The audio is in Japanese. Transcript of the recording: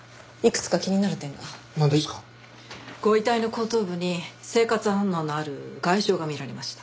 ご遺体の後頭部に生活反応のある外傷が見られました。